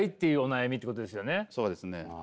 そうですね。